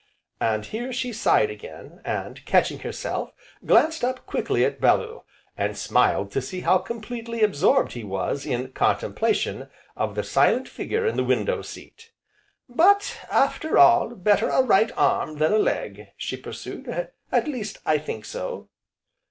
And here she sighed again, and, catching herself, glanced up quickly at Bellew, and smiled to see how completely absorbed he was in contemplation of the silent figure in the window seat. "But, after all, better a right arm than a leg," she pursued, "at least, I think so!"